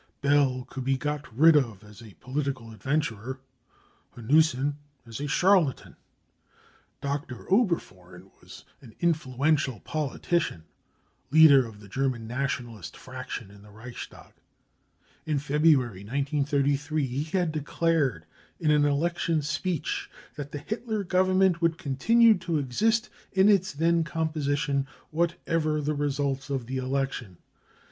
Bell could be got rid of as a political adventurer, Hanussen as a charlatan. Dr. Oberfohren was an influential politician, leader of the German Nationalist fraction in the Reichstag. In February 1933 he had declared in an election speech that the Hitler Government would continue to exist* in its then composition, whatever the results of the election.